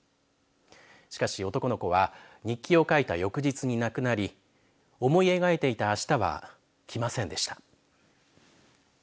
しかし男の子は日記を書いた翌日に亡くなり思い描いていたあしたは来ませんでした。